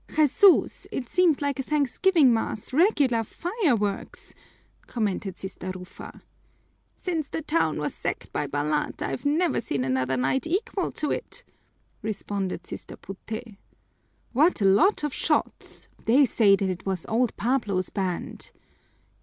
"Jesús, it seemed like a thanksgiving mass, regular fireworks!" commented Sister Rufa. "Since the town was sacked by Balat, I've never seen another night equal to it," responded Sister Puté. "What a lot of shots! They say that it was old Pablo's band."